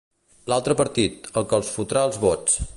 L'altre partit, el que els "fotrà" els vots.